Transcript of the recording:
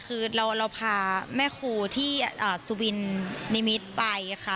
คือเราพาแม่ครูที่สุวินนิมิตรไปค่ะ